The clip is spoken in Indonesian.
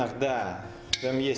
ada yang berwarna emas